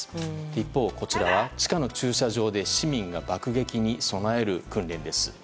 一方、こちらは地下の駐車場で市民が爆撃に備える訓練です。